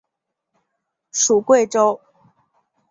属桂州。